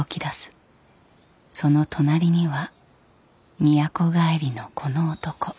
その隣には都帰りのこの男。